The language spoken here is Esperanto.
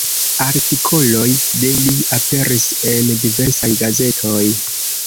Artikoloj de li aperis en diversaj gazetoj.